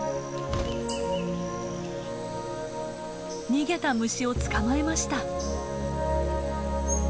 逃げた虫を捕まえました。